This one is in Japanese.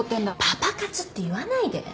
パパ活って言わないで。